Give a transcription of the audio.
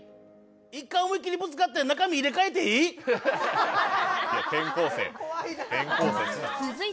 １回思いっきりぶつかって中身入れ代わっていい？